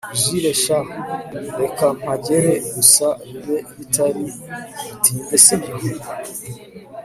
Jule sha reka mpagere gusa bibe bitari butinde Sibyo